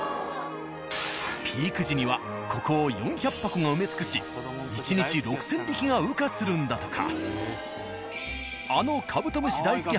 ピーク時にはここを４００箱が埋め尽くし１日６０００匹が羽化するんだとか。